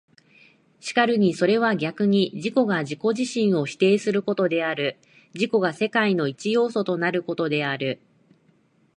然るにそれは逆に自己が自己自身を否定することである、自己が世界の一要素となることである。